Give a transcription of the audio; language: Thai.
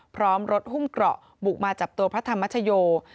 พร้อมรถหุ้มเกราะบุกมาจับตัวพระธรรมชโย